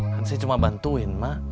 kan saya cuma bantuin mak